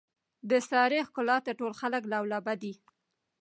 د سارې ښکلاته ټول خلک لولپه دي.